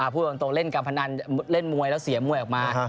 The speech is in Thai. พูดตรงเล่นการพนันเล่นมวยแล้วเสียมวยออกมา